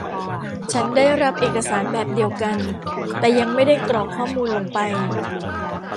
ฉันได้รับเอกสารแบบเดียวกัน แต่ยังไม่ได้กรอกข้อมูลลงไป